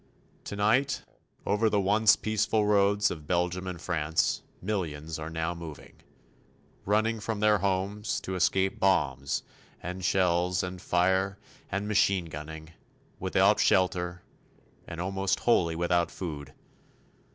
Tonight over the once peaceful roads of Belgium and France millions are now moving, running from their homes to escape bombs and shells and fire and machine gunning, without shelter, and almost wholly without food.